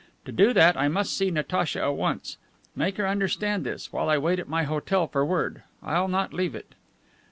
To do that I must see Natacha at once. Make her understand this, while I wait at my hotel for word. I'll not leave it."